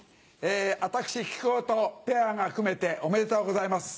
私木久扇とペアが組めておめでとうございます。